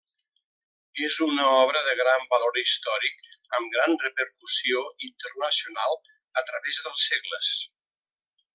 És una obra de gran valor històric amb gran repercussió internacional a través dels segles.